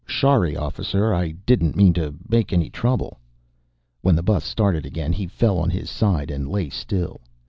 "Shorry, officer, I didn't mean to make any trouble." When the bus started again, he fell on his side and lay still.